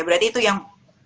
berarti itu yang